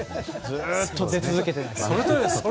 ずっと出続けていると。